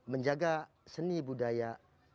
menjaga seni budaya